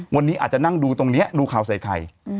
วันนี้อาจจะนั่งดูตรงนี้ดูข่าวใส่ไข่